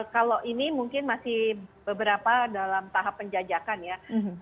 kalau ini mungkin masih beberapa dalam tahap penjajakan ya